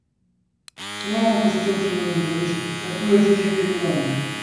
Non é unha cuestión fundamentalista, é pura eficiencia económica.